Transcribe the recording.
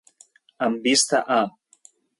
Amb vista a.